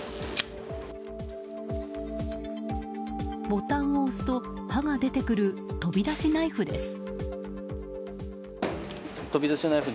ボタンを押すと刃が出てくる飛び出しナイフです。